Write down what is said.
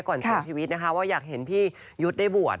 ก่อนถึงชีวิตนะคะว่าอยากเห็นพี่ยุทธ์ได้บวช